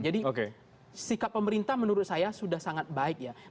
jadi sikap pemerintah menurut saya sudah sangat baik ya